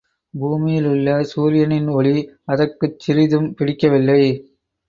பூமியிலுள்ள சூரியனின் ஒளி அதற்குக் சிறிதும் பிடிக்கவில்லை!